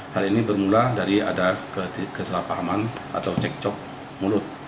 hal ini bermula dari ada kesalahpahaman atau cekcok mulut